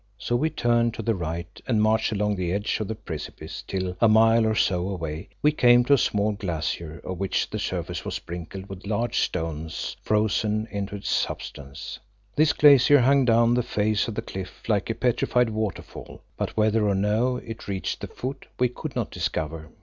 So we turned to the right and marched along the edge of the precipice till, a mile or so away, we came to a small glacier, of which the surface was sprinkled with large stones frozen into its substance. This glacier hung down the face of the cliff like a petrified waterfall, but whether or no it reached the foot we could not discover.